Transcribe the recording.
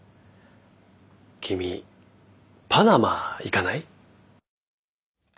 君パナマ行かない？